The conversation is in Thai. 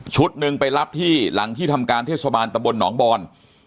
หนึ่งไปรับที่หลังที่ทำการเทศบาลตะบลหนองบอน